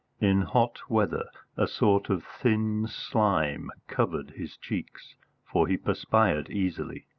In hot weather a sort of thin slime covered his cheeks, for he perspired easily.